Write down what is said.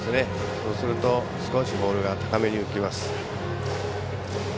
そうすると少しボールが高めに浮きます。